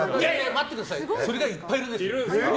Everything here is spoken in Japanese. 待ってくださいそれがいっぱいいるんです。